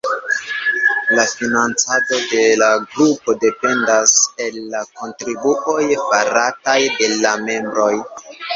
La financado de la grupo dependas el la kontribuoj farataj de la membroj.